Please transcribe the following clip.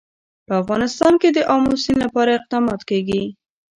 په افغانستان کې د آمو سیند لپاره اقدامات کېږي.